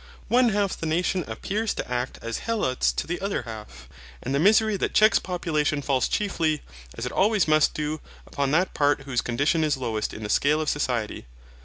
One half the nation appears to act as Helots to the other half, and the misery that checks population falls chiefly, as it always must do, upon that part whose condition is lowest in the scale of society.